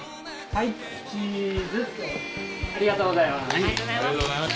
ありがとうございます。